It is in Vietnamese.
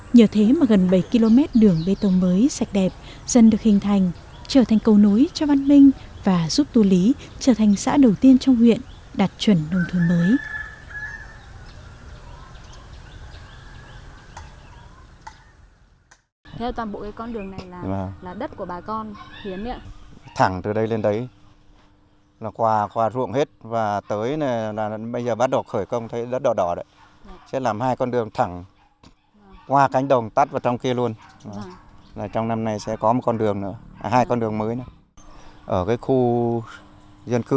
nhờ thế mà gần bảy km đường bê tông mới sạch đẹp dân được hình thành trở thành cầu nối cho văn minh và giúp tu lý trở thành xã đầu tiên trong huyện đạt chuẩn nông thôn mới